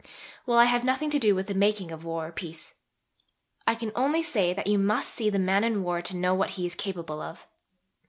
Well, I have nothing to do with the making of war or peace. I can only say that you must see the man in war to know what he is capable of.